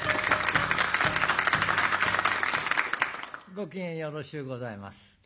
ご機嫌よろしゅうございます。